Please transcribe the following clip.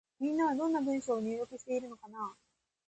みんなは、どんな文章を入力しているのかなぁ。